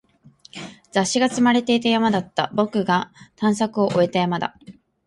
雑誌が積まれていた山だった。僕が探索を終えた山だ。